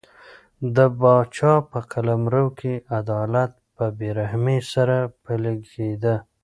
د پاچا په قلمرو کې عدالت په بې رحمۍ سره پلی کېده.